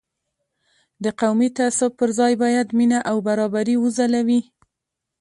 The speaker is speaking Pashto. د قومي تعصب پر ځای باید مینه او برابري وځلوي.